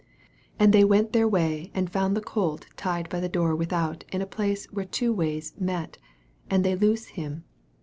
4 And they went their way, and found the colt tied by the door with out in a place where two ways met ; and they loose him.